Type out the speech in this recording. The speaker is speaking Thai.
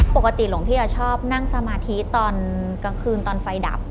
ปกติหลวงพี่ชอบนั่งสมาธิตอนกลางคืนตอนไฟดับ